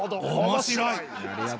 面白い。